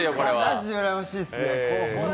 マジで羨ましいですね。